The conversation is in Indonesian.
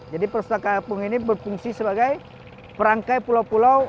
jadi perpustakaan apung ini berfungsi sebagai perangkai pulau pulau